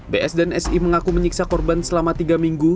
bs dan si mengaku menyiksa korban selama tiga minggu